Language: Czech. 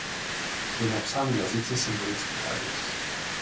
Je napsán v jazyce symbolických adres.